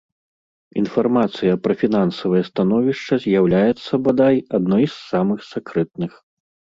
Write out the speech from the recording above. Інфармацыя пра фінансавае становішча з'яўляецца, бадай, адной з самых сакрэтных.